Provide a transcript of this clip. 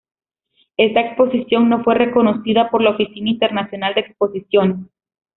Esta exposición no fue reconocida por la Oficina Internacional de Exposiciones.